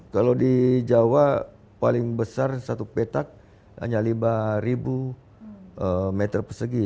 kalau di jawa paling besar satu petak hanya lima meter persegi